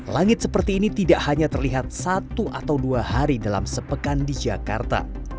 langit seperti ini tidak hanya terlihat satu atau dua hari dalam sepekan di jakarta